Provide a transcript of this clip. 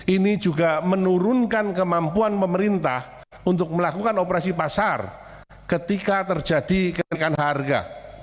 ini juga menurunkan kemampuan pemerintah untuk melakukan operasi pasar ketika terjadi kenaikan harga